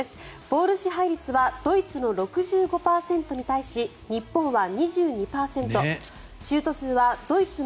ボール支配率はドイツの６５％に対し日本は２２％。